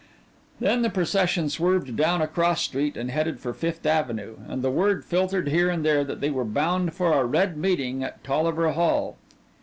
Then the procession swerved down a cross street and headed for Fifth Avenue and the word filtered here and there that they were bound for a Red meeting at Tolliver Hall.